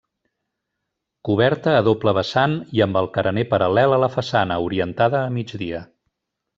Coberta a doble vessant i amb el carener paral·lel a la façana, orientada a migdia.